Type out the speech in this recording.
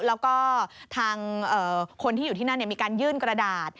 แล้วก็ทางคนที่อยู่ที่นั่นมีการยื่นกระดาษ